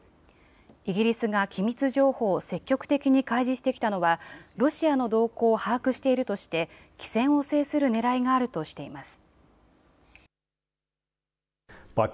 イギリスが機密情報を積極的に開示してきたのは、ロシアの動向を把握しているとして、機先を制するねらいがあるとしています。